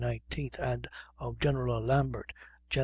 19th, and of General Lambert, Jan.